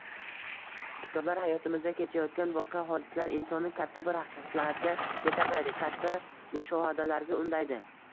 Kitoblar, hayotimizda kechayotgan voqea-hodisalar insonni katta bir haqiqatlarga yetaklaydi, katta mushohadalarga undaydi.